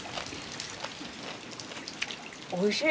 おいしい！